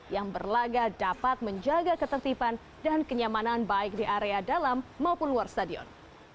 yang berlaga dapat menjaga ketertiban dan kenyamanan baik di area dalam maupun luar stadion